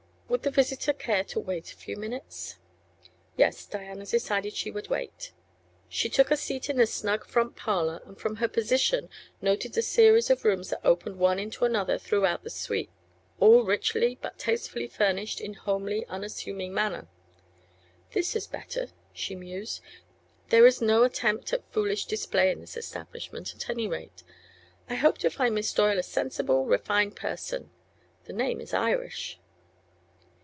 Would the visitor care to wait a few minutes? Yes; Diana decided she would wait. She took a seat in the snug front parlor and from her position noted the series of rooms that opened one into another throughout the suite, all richly but tastefully furnished in homely, unassuming manner. "This is better," she mused. "There is no attempt at foolish display in this establishment, at any rate. I hope to find Miss Doyle a sensible, refined person. The name is Irish."